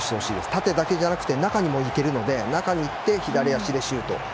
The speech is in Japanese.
縦だけじゃなくて中にも行けるので、中に行って左足でシュート。